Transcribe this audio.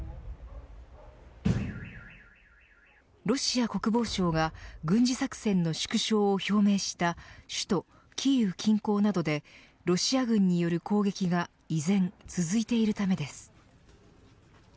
ロシア国防省が軍事作戦の縮小を表明した首都キーウ近郊などでロシア軍による攻撃が依然、続いているためです。